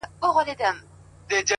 تك سپين زړگي ته دي پوښ تور جوړ كړی-